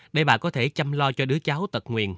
để bà có thể chăm lo cho đứa cháu tật nguyền